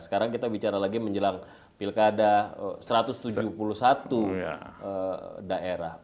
sekarang kita bicara lagi menjelang pilkada satu ratus tujuh puluh satu daerah